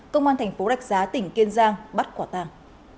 công an thành phố rạch giá tỉnh kiên giang bắt quả tàng